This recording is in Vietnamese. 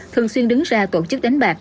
thường xuyên đứng ra tổ chức đánh bạc